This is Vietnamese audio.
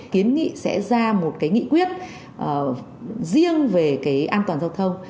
kiến nghị sẽ ra một cái nghị quyết riêng về cái an toàn giao thông